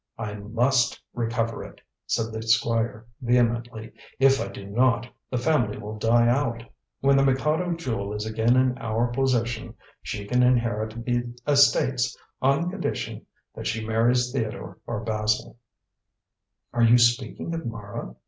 "I must recover it," said the Squire vehemently. "If I do not, the family will die out. When the Mikado Jewel is again in our possession, she can inherit the estates on condition that she marries Theodore or Basil." "Are you speaking of Mara?"